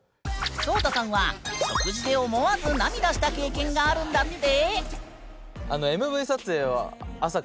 ＳＯＴＡさんは食事で思わず涙した経験があるんだって。